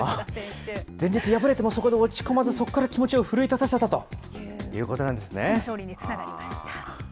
前日、敗れても、そこで落ち込まず、そこから気持ちを奮い立勝利につながりました。